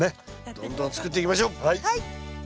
どんどん作っていきましょう！